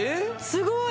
すごい！